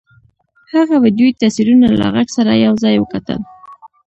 هغه ويډيويي تصويرونه له غږ سره يو ځای وکتل.